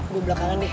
gue belakangan deh